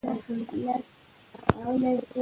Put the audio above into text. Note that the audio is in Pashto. دروازه ورو خلاصه شوه.